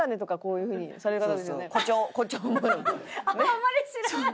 あんまり知らない？